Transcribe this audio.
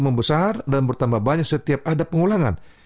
membesar dan bertambah banyak setiap ada pengulangan